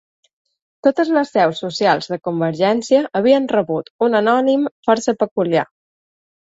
Totes les seus socials de Convergència havien rebut un anònim força peculiar.